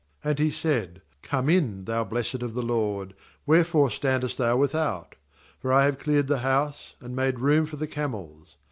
31And he said: 'Come in, thou blessed of the LORD : wherefore standest thou with out? fox I have cleared the house, and made room for the camels.'